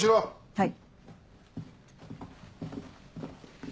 はい。